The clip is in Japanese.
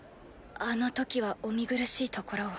あのときはお見苦しいところを。